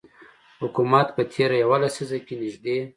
حکومت په تیره یوه لسیزه کې نږدې